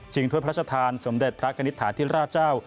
ชิงทวดพระชธานสมเด็จพระกณิตฐาทิราชเจ้า